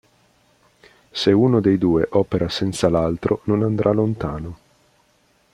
Se uno dei due opera senza l'altro, non andrà lontano.